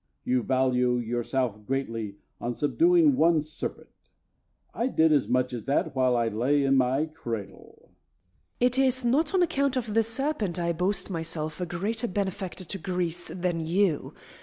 You value yourself greatly on subduing one serpent; I did as much as that while I lay in my cradle. Cadmus. It is not on account of the serpent I boast myself a greater benefactor to Greece than you.